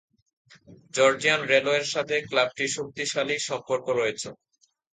Georgian রেলওয়ের সাথে ক্লাবটির শক্তিশালী সম্পর্ক রয়েছে।